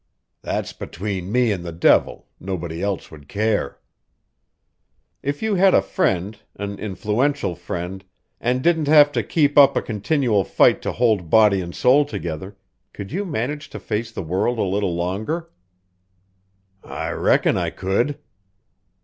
"That's between me and the devil nobody else would care." "If you had a friend, an influential friend, and didn't have to keep up a continual fight to hold body and soul together, could you manage to face the world a little longer?" "I reckon I could."